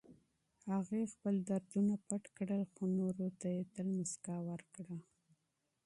هغې خپل دردونه پټ کړل، خو نورو ته يې تل مسکا ورکړه.